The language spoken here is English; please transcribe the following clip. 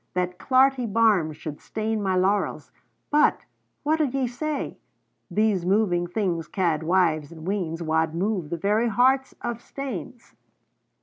That clarty barm should stain my laurels: But what'll ye say These movin' things ca'd wives and weans Wad move the very hearts o' stanes!"